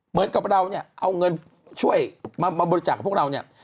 เหมือนกับเราเนี่ยเอาเงินช่วยมาบริจาคกับพวกเราเนี่ย